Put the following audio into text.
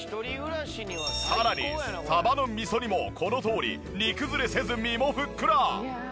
さらにサバの味噌煮もこのとおり煮崩れせず身もふっくら！